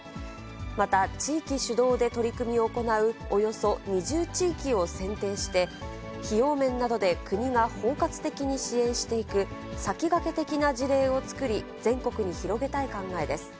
また地域主導で取り組みを行うおよそ２０地域を選定して、費用面などで国が包括的に支援していく、先駆け的な事例を作り、全国に広げたい考えです。